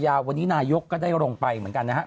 วันนี้นายกก็ได้ลงไปเหมือนกันนะฮะ